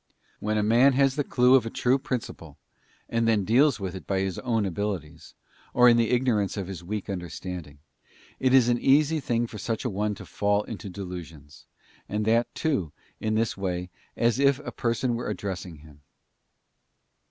When a man has the clue of a true principle and then deals with it by his own abilities, or in the ignorance of his weak understanding, it is an easy thing for such an one to, fall into delusions, and that too, in this way, as if a third person were addressing him.